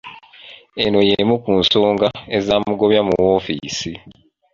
Eno yeemu ku nsonga ezaamugobya mu woofiisi.